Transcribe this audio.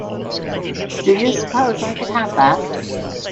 Do you suppose I could have that?